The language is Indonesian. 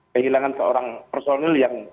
kehilangan seorang personil yang